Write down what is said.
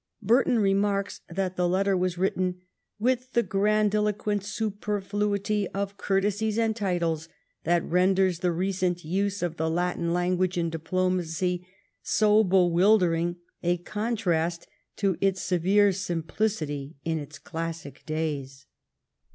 Burton remarks that the letter was written ' with the grandiloquent superfluity of courtesies and titles that renders the recent use of the Latin language in diplomacy so bewildering a contrast to its severe simplicity in its classic days.'